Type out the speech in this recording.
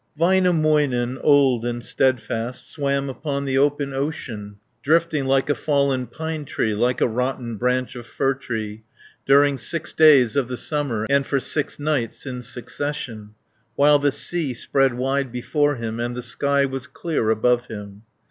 Väinämöinen, old and steadfast, Swam upon the open ocean, Drifting like a fallen pine tree, Like a rotten branch of fir tree, During six days of the summer, And for six nights in succession, While the sea spread wide before him, And the sky was clear above him.